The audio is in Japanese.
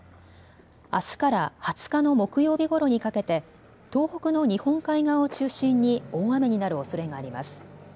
あすから２０日の木曜日ごろにかけて東北の日本海側を中心に大雨になるおそれがあります。